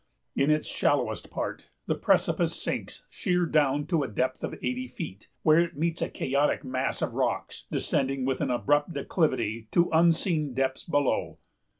In its shallowest part, the precipice sinks sheer down to the depth of eighty feet, where it meets a chaotic mass of rocks, descending with an abrupt declivity to unseen depths below.